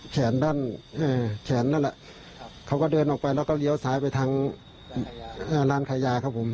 แขนด้านแขนนั่นแหละเขาก็เดินออกไปแล้วก็เลี้ยวซ้ายไปทางร้านขายยาครับผม